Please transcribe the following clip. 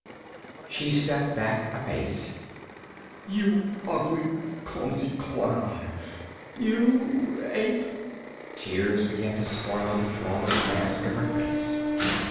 She stepped back a pace. "You ugly, clumsy clown. You ape!" Tears began to spoil the flawless mask of her face.